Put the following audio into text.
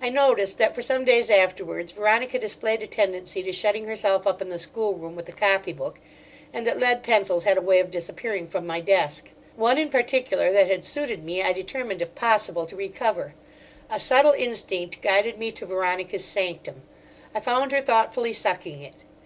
I noticed that for some days afterwards Veronica displayed a tendency to shutting herself up in the schoolroom with a copybook, and that lead pencils had a way of disappearing from my desk. One in particular that had suited me I determined if possible to recover. A subtle instinct guided me to Veronica's sanctum. I found her thoughtfully sucking it.